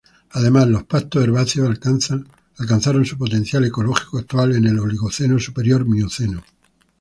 Además, los pastos herbáceos alcanzaron su potencial ecológico actual en el Oligoceno superior-Mioceno.